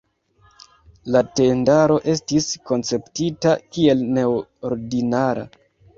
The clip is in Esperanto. La tendaro estis konceptita kiel neordinara.